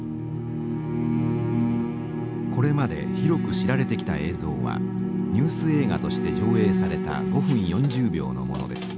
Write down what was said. これまで広く知られてきた映像はニュース映画として上映された５分４０秒のものです。